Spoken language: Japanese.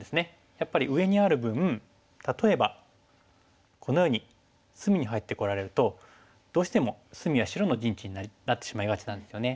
やっぱり上にある分例えばこのように隅に入ってこられるとどうしても隅は白の陣地になってしまいがちなんですよね。